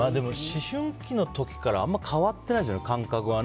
思春期の時からあんまり変わってないですよね、感覚は。